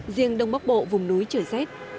riêng đông bắc bộ vùng núi trời rét